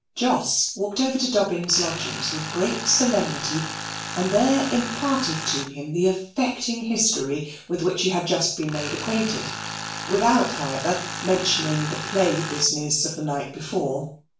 Jos walked over to Dobbin's lodgings with great solemnity and there imparted to him the affecting history with which he had just been made acquainted, without, however, mentioning the play business of the night before.